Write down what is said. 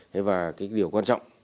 thế và cái điều quan trọng